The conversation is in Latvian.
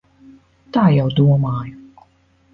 Tā jau domāju.